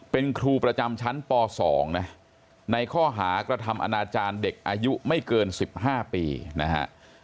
เป็นครูประจำชั้นป๒นะในข้อหากระทำอนาจารย์เด็กอายุไม่เกิน๑๕ปีนะฮะ